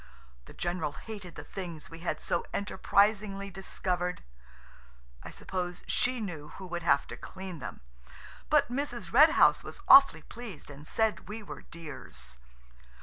The general hated the things we had so enterprisingly discovered. I suppose she knew who would have to clean them, but Mrs. Red House was awfully pleased and said we were dears.